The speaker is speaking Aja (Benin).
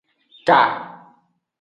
Ka.